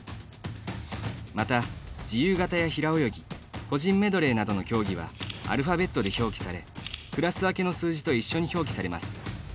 また、自由形や平泳ぎ個人メドレーなどの競技はアルファベットで表記されクラス分けの数字と一緒に表記されます。